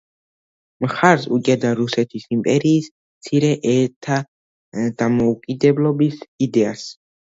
მხარს უჭერდა რუსეთის იმპერიის მცირე ერთა დამოუკიდებლობის იდეას.